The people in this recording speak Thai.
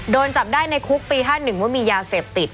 โดนจับได้ในคุกปี๕๑ว่ามียาเสพติด